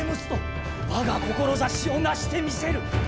我が志をなしてみせる！